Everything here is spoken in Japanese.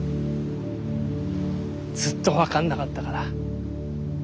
ずっと分かんなかったから。